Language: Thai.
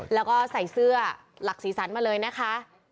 แล้วก็ใส่เสื้อหลักสีสันมาเลยนะคะ